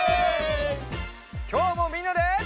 きょうもみんなで。